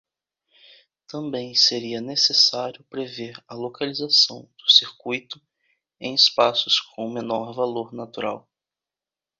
Também seria necessário prever a localização do circuito em espaços com menor valor natural.